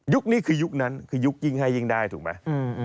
ยุคนี้คือยุคนั้นคือยุคนี้ยิงให้ยิงได้ถูกมั้ย